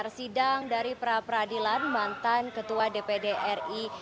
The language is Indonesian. ya dan ya sidang dari pra pradilan mantan ketua dpd ri